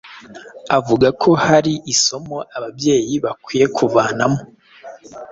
avuga ko hari isomo ababyeyi bakwiye kuvanamo